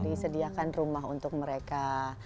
disediakan rumah untuk mereka